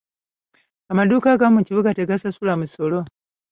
Amaduuka agamu mu kibuga tegasasula musolo.